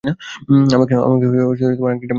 আমাকে আংটিটা দাও!